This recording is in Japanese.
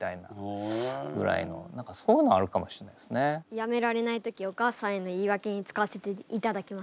やめられない時お母さんへの言い訳に使わせていただきます。